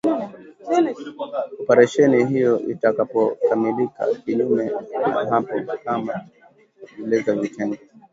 Operesheni hiyo itakapokamilika kinyume na hapo kama itaelekezwa vinginevyo